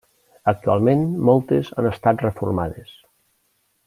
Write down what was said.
Actualment moltes han estat reformades.